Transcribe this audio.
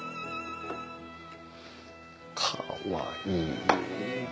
かわいい。